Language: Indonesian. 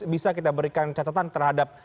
bisa kita berikan catatan terhadap